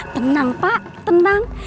tenang pak tenang